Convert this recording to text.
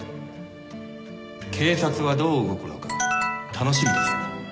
警察はどう動くのか楽しみですよ。